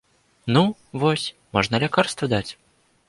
Ну, вось, можна лякарства даць.